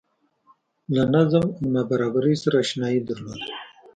له نظم او نابرابرۍ سره اشنايي درلوده